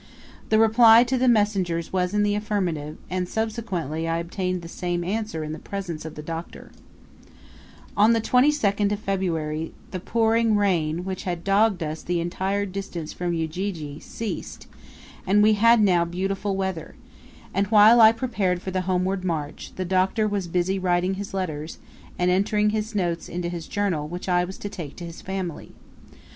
The reply to the messengers was in the affirmative; and, subsequently, I obtained the same answer in the presence of the Doctor, On the 222nd of February, the pouring rain, which had dogged us the entire distance from Ujiji, ceased, and we had now beautiful weather; and while I prepared for the homeward march, the Doctor was busy writing his letters, and entering his notes into his journal, which I was to take to his family.